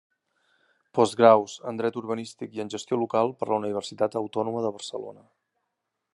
Postgraus en Dret Urbanístic i en Gestió Local per la Universitat Autònoma de Barcelona.